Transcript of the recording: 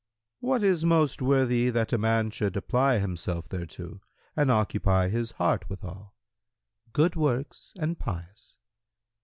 Q "What is most worthy that a man should apply himself thereto and occupy his heart withal?"— "Good works and pious."